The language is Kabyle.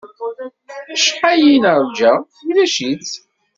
Acḥal i tt-nerja, ulac-itt.